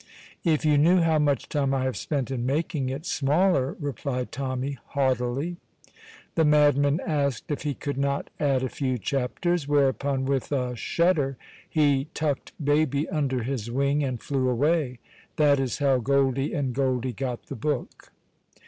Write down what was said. "If you knew how much time I have spent in making it smaller," replied Tommy, haughtily. The madmen asked if he could not add a few chapters, whereupon, with a shudder, he tucked baby under his wing and flew away. That is how Goldie & Goldie got the book.